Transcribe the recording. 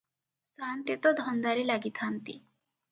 ସାଆନ୍ତେ ତ ଧନ୍ଦାରେ ଲାଗିଥାନ୍ତି ।